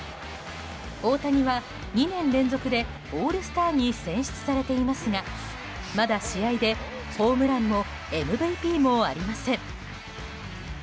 大谷は２年連続でオールスターに選出されていますがまだ試合でホームランもＭＶＰもありません。